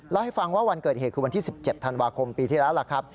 เล่าให้ฟังว่าวันเกิดเหตุคือวันที่๑๗ธันวาคมปีที่แล้วล่ะครับ